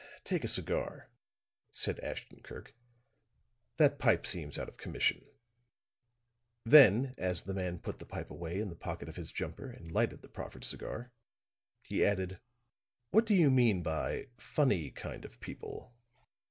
"Take a cigar," said Ashton Kirk. "That pipe seems out of commission." Then, as the man put the pipe away in the pocket of his jumper and lighted the proffered cigar, he added: "What do you mean by 'funny kind of people?'"